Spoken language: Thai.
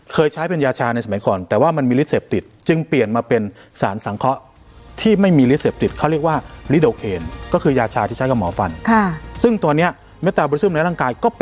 เคยใช้เป็นยาชาในสมัยก่อนแต่ว่ามันมีริเศษติก